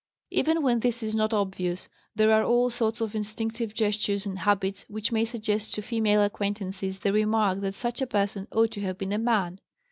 Even when this is not obvious, there are all sorts of instinctive gestures and habits which may suggest to female acquaintances the remark that such a person "ought to have been a man."